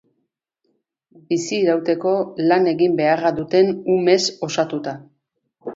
Bizirauteko lan egin beharra duten umez osatua.